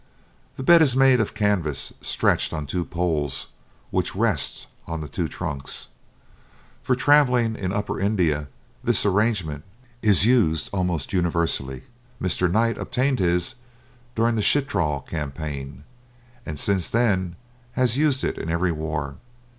The bed is made of canvas stretched on two poles which rest on the two trunks. For travelling in upper India this arrangement is used almost universally. Mr. Knight obtained his during the Chitral campaign, and since then has used it in every war.